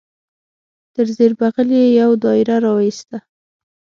تر زیر بغل یې یو دایره را وایسته.